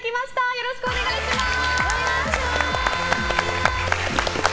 よろしくお願いします。